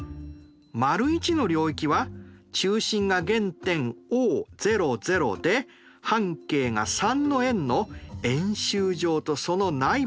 ①の領域は中心が原点Ｏで半径が３の円の円周上とその内部ですね。